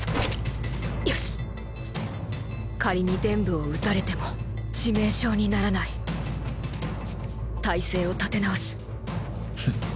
よし仮にでん部を撃たれても致命傷にならない体勢を立て直すフッ